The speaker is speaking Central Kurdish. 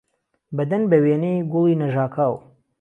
بهدەن به وێنهی گوڵی نهژاکاو